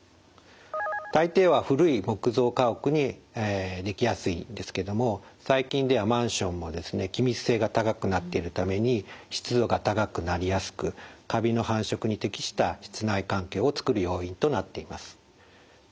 大抵は古い木造家屋に出来やすいんですけども最近ではマンションも気密性が高くなっているために湿度が高くなりやすくカビの繁殖に適した室内環境をつくる要因となっています。